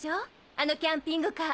あのキャンピングカー。